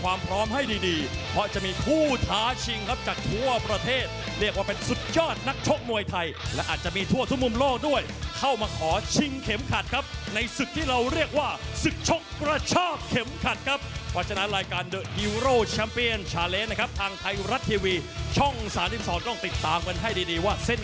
อาวุธใกล้เคียงกันเลยครับคู่นี้